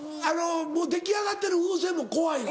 出来上がってる風船も怖いの？